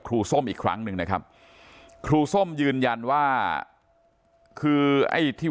ส้มอีกครั้งหนึ่งนะครับครูส้มยืนยันว่าคือไอ้ที่